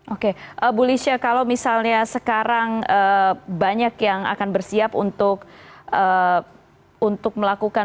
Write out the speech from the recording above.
oke bu lisha kalau misalnya sekarang banyak yang akan bersiap untuk melakukan